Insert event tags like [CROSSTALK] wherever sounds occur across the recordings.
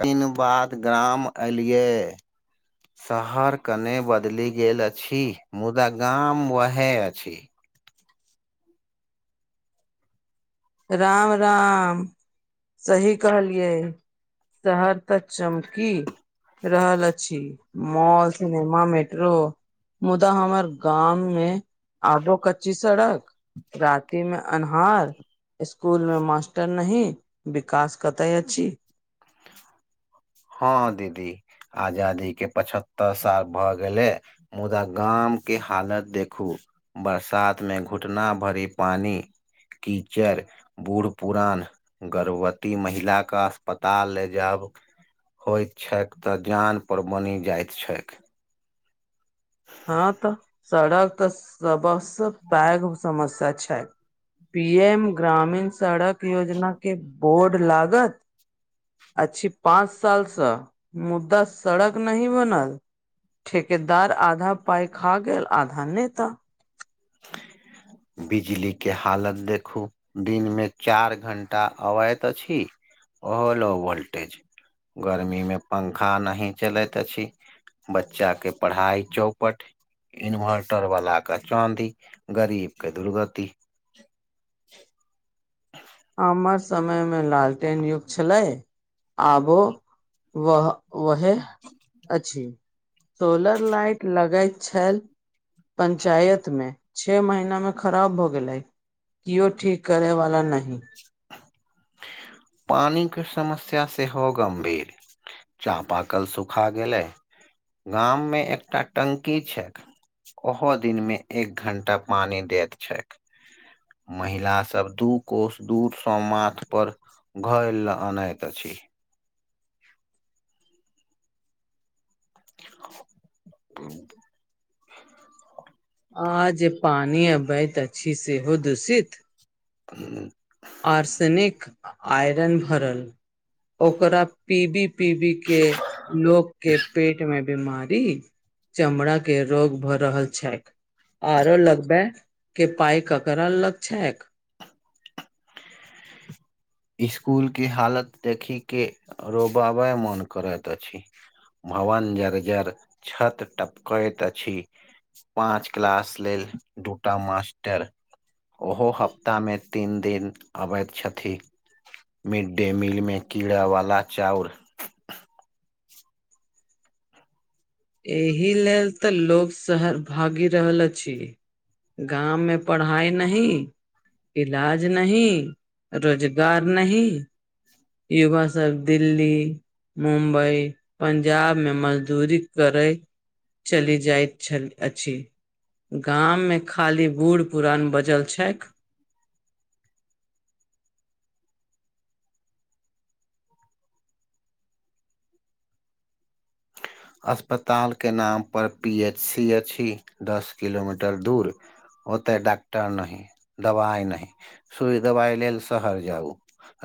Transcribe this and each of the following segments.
कनि बाद गाम एलियै। शहर कनि बदलि गेल अछि, मुदा गाम वैह अछि। राम राम। सही कहलियै, शहर त चमकी रहल छी। मॉल, सिनेमा, मेट्रो मुदा हमर गाम मे आबो कच्ची सड़क। रति मे अन्हार। स्कूल मे मास्टर नहि, विकास कतए अछि। हँ दीदी, आजादी के पचहत्तर साल भ गेलै। मुदा गाम के हालत देखू। बरसात मे घुटना भरी पानी। कीचर बूढ़ पुरान गर्भवती महिलाके अस्पताल ले जाब होइत छैक तऽ जान पर बनि जाइत छैक। हँ तऽ सड़क तऽ सबस पैघ समस्या छै। पी एम ग्रामीण सड़क योजनाके बोर्ड लागत। अच्छी पाँच सालसँ मुद्दा सड़क नही बनल। ठेकेदार आधा पाइ खा गेल। आधा नेता। ह। [INAUDIBLE] बिजली के हालत देखू दिन मे चार घंटा अबैत अछि। ओहो लो वोल्टेज गर्मी मे पंखा नहि चलैत अछि। बच्चा के पढ़ाई चौपट इन्वर्टर वला के चाँदी। गरीबके दुर्गति। हमर समय मे लालटेन युग छलै। आबो व वहे अछि। सोलर लाइट लगैत छल। पंचायत मे छे। महीना मे खराब भ गेलै। केओ ठीक करैवाला नहि। [INAUDIBLE] पानिके समस्या सेहो गम्भीर। चापाकल सुखा गेलै। गाम मे एकटा टंकी छै। ओहो दिनमे एक घंटा पानि दैत छैक। महिला सब दू कोष दूर से माथ पर घर ल अनैत अछि। ह। [INAUDIBLE] आ जे पानी अबैत अछि। सेहो दुषित। ह। [INAUDIBLE] आर्सेनिक आयरन भरल ओकरा पीबी पीबी। के लोक। के पेट मे बीमारी चमड़ा के रोग भऽ रहल छै। आरो लगबै। कि पाय ककरा अलग छैक स्कूल के हालत देखी के रोबाबे मोन करैत अछि। भवन जर्जर छत टपकैत अछि। पाच क्लास लेल दूटा मास्टर। ओहो हफ्तामे तीन दिन अबैत छथि। मिडडे मीलमें कीड़ा वाला चाउर। एहि लेल तऽ लोग शहर भागि रहल अछि। गाममे पढ़ाइ नहि इलाज नहि रोजगार नहि युवा सब दिल्ली मुंबई पंजाब मे मजदूरी करै चलि जाइत छल अछि। गाम मे खाली बूढ़ पुरान बचल छैक। अस्पताल के नाम पर पी एच सी अछि दस किलोमीटर दूर ओते डॉक्टर नहि दबाइ नहि सुइ दबाइ लेल शहर जाउ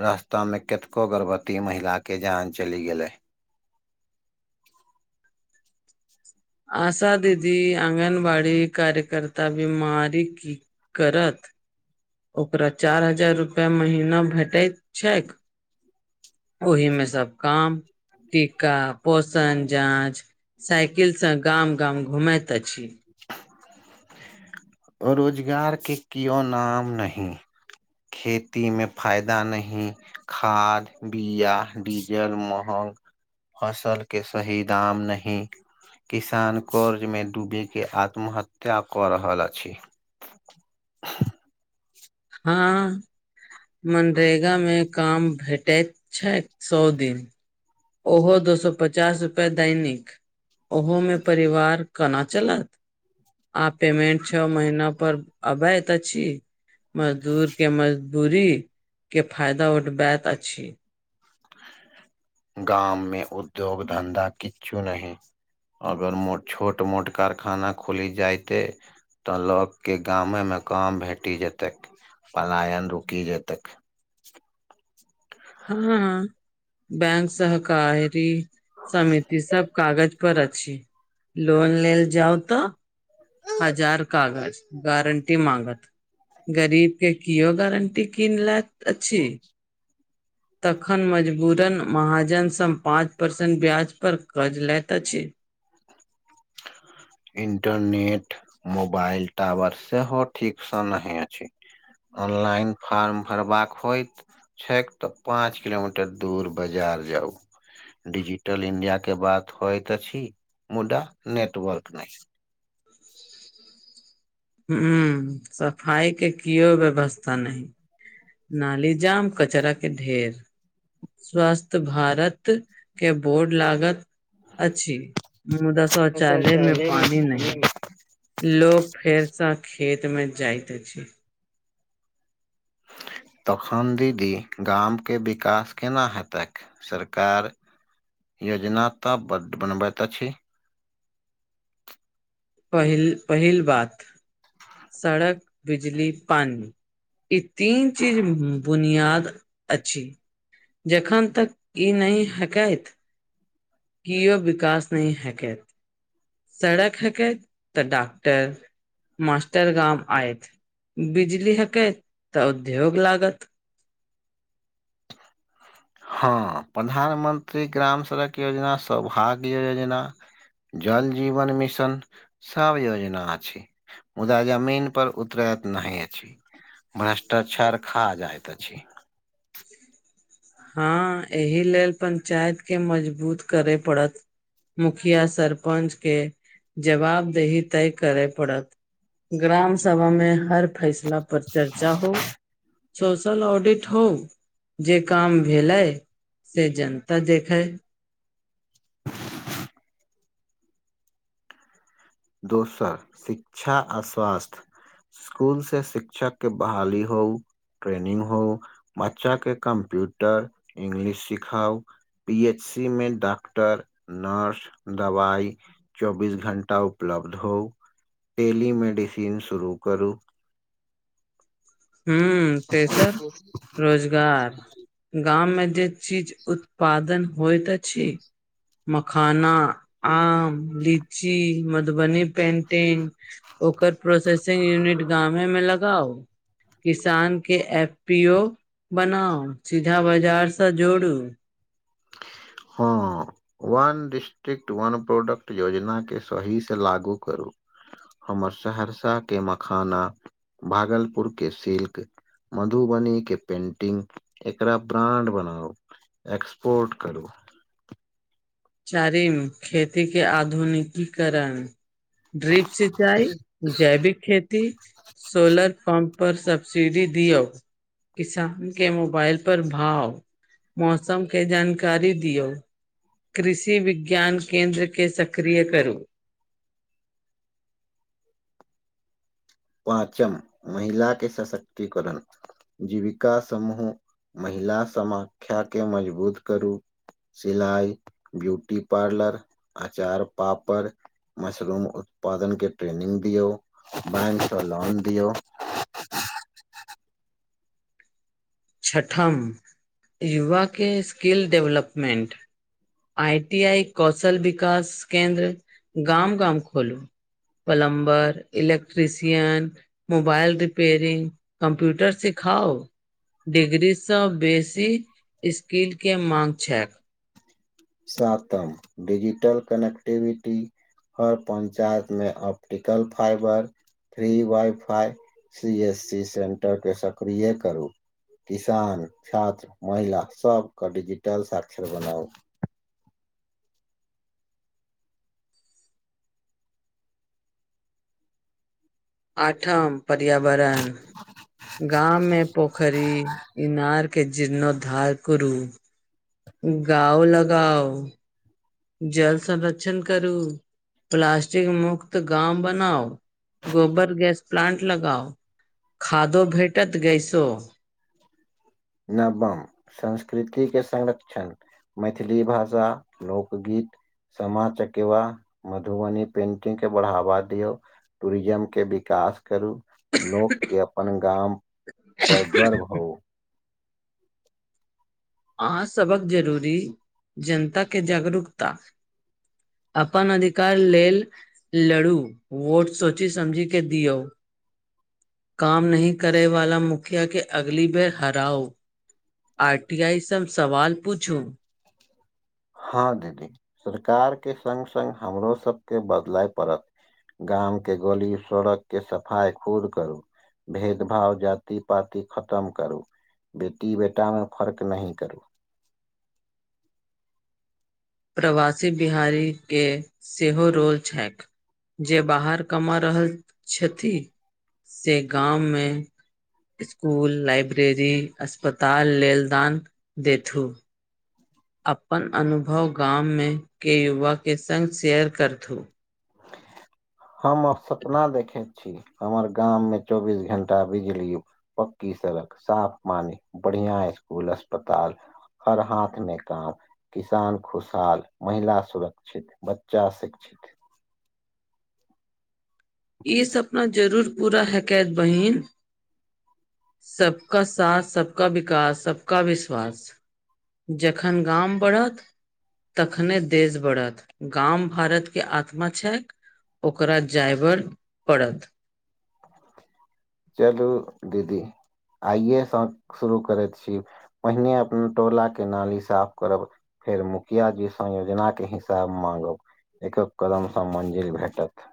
रास्ता में कतको गर्भवती महिला के जान चलि गेले। आशा दीदी आंगनवाड़ी कार्यकर्ता बीमारी की करत ओकरा चारि हजार रुपैआ महीना भेटैत छैक। ओहि मे सब काम। टीका पोषण जाँच साइकिल से गाम गाम घूमैत अछि। रोजगार के कियो नाम नहि खेती मे फायदा नहि, खाद बीया डीजल महग फसलके सही दाम नहि। किसान कर्ज मे डूबके आत्महत्या क रहल अछि। [INAUDIBLE] हँ। मनरेगामे काम भेटैत छैक सए दिन ओहो दो सए पचास रुपए दैनिक ओहोमे परिवार केना चलत। आ पेमेंट छ महिना पर अबैत अछि। मजदूर के मजदूरी के फायदा उठबैत अछि। गाम मे उद्योग धन्धा किछु नहि। अगर मोट छोट मोट कारखाना खुलि जयतै त लोकके गामे मे काम भेटि जेतै पलायन रुकि जेतै। हँ, बैंक सहकारी समिति सभ कागज पर अछि लोन लेल जाउ त हजार कागज, गारंटी मांगत गरीब के कियो गारंटी किन लेत अछि। तखन मजबूरन महाजनसँ पाँच परसेन्ट ब्याज पर कर्ज लैत अछि। इंटरनेट मोबाइल टावर सेहो ठीकसँ नहि अछि। ऑनलाइन फार्म भरबाक होइत छैक त पाँच किलोमीटर दूर बाजार जाउ। डिजिटल इंडिया के बात होइत अछि मुदा नेटवर्क नहि। [INAUDIBLE] हं सफाइ के केओ व्यवस्था नहि। नाली जाम कचरा के ढेर। स्वस्थ भारत के बोर्ड लागत अछि मुदा शौचालय में पानी नहि। लोक फेरसँ खेत में जाइत अछि। तखन दीदी गामके विकास केना हेतैक, सरकार योजना त बड बनबैत अछि पहिल पहिल बात सड़क बिजली पानी ई तीन चीज़ बुनियाद अछि, जखन तक ई नहि हेतैक केओ विकास नहि [UNINTELLIGIBLE] सड़क [UNINTELLIGIBLE] त डॉक्टर मास्टर गाम आयत, बिजली हेतैक त उद्योग लागत। हां प्रधानमत्री ग्राम सड़क योजना, सौभाग्य योजना जल जीवन मिशन सब योजना अछि। मुदा जमीन पर उतरैत नहि अछि। भ्रष्टाचार खा जाइत अछि। हां एहि लेल पंचायत के मजबूत करय पड़त। मुखिया सरपंच के जवाबदेही तय करय पड़त। ग्राम सभा मे हर फेसला पर चर्चा हो, सोशल ऑडिट हो जे काम भेलै, से जनता देखै। दोसर शिक्षा आ स्वास्थ्य स्कूल से शिक्षक के बहाली हो ट्रेनिंग हो बच्चा के कम्प्यूटर इंग्लिश सिखाउ पी एच सी मे डॉक्टर नर्स दवाई चौबीस घंटा पर उपलब्ध हो टेलीमेडिसिन शुरू करू। हूँ, त सर रोजगार गाँव मे चीज उत्पादन होइत छी। मखाना, आम, लीची, मधुबनी पेन्टिंग ओकर प्रोसेसिंग यूनिट गामे में लगाउ। किसान के एफ पी ओ बनाउ, सीधा बाजार से जोड़ू। हं। वन डिस्ट्रिक्ट वन प्रोडक्ट योजना के सही से लागू करू। हमर सहरसा के मखाना भागलपुर के सिल्क मधुबनी के पेन्टिंग, एकरा ब्रांड बनाउ, एक्सपोर्ट करू। चारिम खेती के आधुनिकीकरण। ड्रिप सिंचाई, जैविक खेती। सोलर पम्प पर, सबब्सिडी दियो। किसान के मोबाइल पर भाव, मौसम के जानकारी दियो। कृषि विज्ञान केन्द्र के सक्रिय करू। पाँचम महिला के सशक्तिकरण। जीविका समूह महिला समाख्या के मजबूत करू। सिलाई, ब्यूटी पार्लर, अचार पापड़ मशरूम उत्पादन के ट्रेनिंग दियो, बैंक से लोन दियो। छठम, युवा के skill development. I T I, कोशल विकास केन्द्र गाम- गाम खोलू। Plumber, electrician mobile repairing, computer सिखाओ। डिग्री से बेसी स्किल के माँग छै। सातम डजिटल कनेक्टिविटी हर पंचायत मे optical fibre free wifi, C S C centre करे सक्रिय करू। किसान, छात्र, महिला सब के डिजिटल साक्षर बनाउ। आठम पर्यावरण, गाँव में पोखरी, इनार के जीर्णोधार करू। गाउ लगाउ। जल संरक्षण करू, प्लास्टिक मुक्त गाम बनाउ। गोबर गैसों प्लांट लगाओ, खादो भेटत गैसों। नवम संस्कृति के संरक्षण। मैथिली भाषा, लोक गीत सामा चकेवा, मधुबनी पेंटिंग के बढ़ावा दियो। टूरिज्म के विकास करू, लोक के अपन गाम कड़गर् हो। अहां सबहक जरूरी, जनता के जागरूकता। अपन अधिकार लेल लड़ू वोट सोची समझी के दियो। काम न करे वाला मुखिया के अगली बेर हराउ आठ डीय ई सब सवाल पूछू। हा दीदी सरकार के संग संग हमरो सबके बदलाय पड़त। गाम के गली सड़क के सफाइ खुद करू। भेदभाव जाति पति खतम करू। बेटी बेटा मे फर्क नहि करू। प्रवासी बिहारी के सेहो रोल छेक। जे बाहर कमा रहल छथि से गाम मे। स्कूल लाइब्रेरी अस्पताल लेल दान देथु। अपन अनुभव गाम मे के युवा के संग शेयर करथु। हम अब सपना देखे छी हमर गाम मे चौबीस घंटा बिजली। पक्की सड़क साफ पानी बढ़िया स्कूल अस्पताल हर हाथ मे काम किसान खुश हाल महिला सुरक्षित बच्चा शिक्षित। ई सपना जरूर पूरा हे कायत बहिन सबका साथ सबका विकास सबका विश्वास। जखन गाम बढ़त। तखने देश बढ़त गाम भारत के आत्मा छेक। ओकरा जाइवर पड़त। चलू दीदी आइए से शुरू करे छी। पहिने अपन टोला के नाली साफ करब। फिर मुखिया जी से योजना के हिसाब मांगब एकक कदम से मंजिल भेटत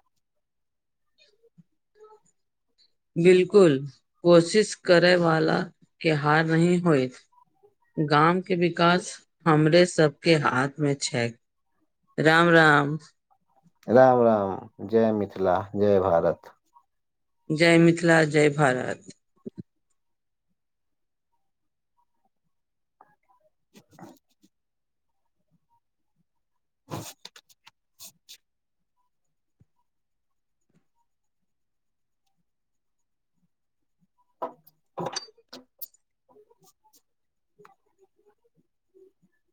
बिलकुल कोशिश करे वाला के हार नही होइत। गाम के विकास हमरे सबके हाथ मे छे। राम राम राम राम जय मिथिला जय भारत। जय मिथिला जय भारत। हह [UNINTELLIGIBLE] ह उच [INAUDIBLE] ईच [INAUDIBLE] ईक [INAUDIBLE]